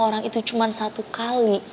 orang itu cuma satu kali